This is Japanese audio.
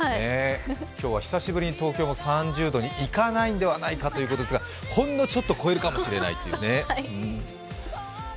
今日は久しぶりに東京は３０度にいかないんじゃないかと言われているんですがほんのちょっと超えるかもしれない。